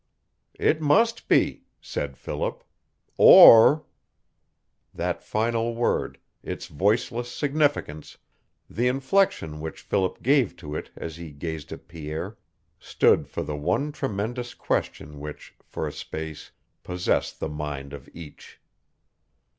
"It must be," said Philip. "Or " That final word, its voiceless significance, the inflection which Philip gave to it as he gazed at Pierre, stood for the one tremendous question which, for a space, possessed the mind of each.